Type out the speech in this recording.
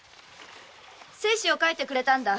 誓紙を書いてくれたんだ。